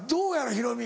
ヒロミ。